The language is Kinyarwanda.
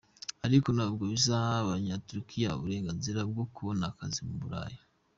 Ariko ntabwo bizaha abanya Turukiya uburenganzira bwo kubona akazi mu Burayi.